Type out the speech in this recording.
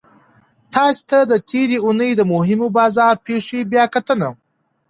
تاسو ته د تیرې اونۍ د مهمو بازار پیښو بیاکتنه